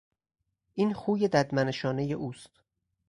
این خوی ددمنشانهی اوست.